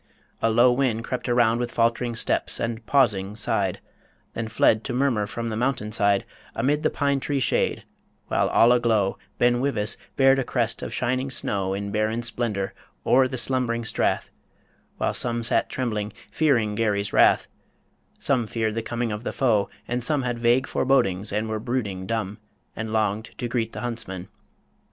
A low wind crept Around with falt'ring steps, and, pausing, sighed Then fled to murmur from the mountain side Amid the pine tree shade; while all aglow Ben Wyvis bared a crest of shining snow In barren splendour o'er the slumbering strath; While some sat trembling, fearing Garry's wrath, Some feared the coming of the foe, and some Had vague forebodings, and were brooding dumb, And longed to greet the huntsmen.